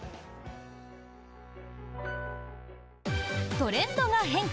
トレンドが変化！